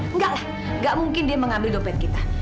enggak lah gak mungkin dia mengambil dompet kita